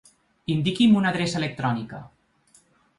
Indiqui'm una adreça electrònica.